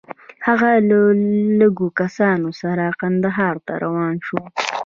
هغه له لږو کسانو سره کندهار ته روان شو.